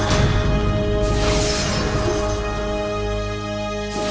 dan menyempurnakan yang lebih baik